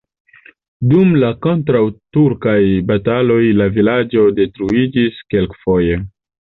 Dum la kontraŭturkaj bataloj la vilaĝo detruiĝis kelkfoje.